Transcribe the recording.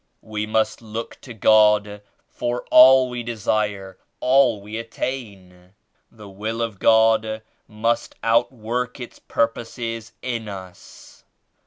We must look to God for all we desire, all we att^tin. The Will of God must outwork Its Purposes in us.